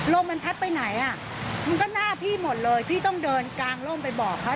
ลมมันพัดไปไหนอ่ะมันก็หน้าพี่หมดเลยพี่ต้องเดินกางร่มไปบอกเขา